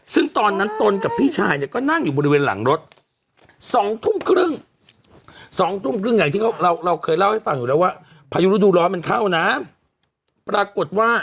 ซึ่งตอนนั้นตนกับพี่ชายเนี่ยก็นั่งอยู่บริเวณหลังรถ